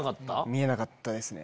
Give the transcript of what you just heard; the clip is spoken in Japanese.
見えなかったですね。